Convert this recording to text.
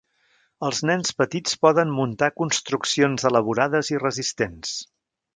Els nens petits poden muntar construccions elaborades i resistents.